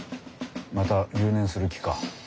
また留年する気か。